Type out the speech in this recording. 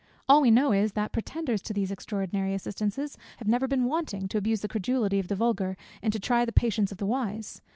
All we know is, that pretenders to these extraordinary assistances, have never been wanting to abuse the credulity of the vulgar, and to try the patience of the wise.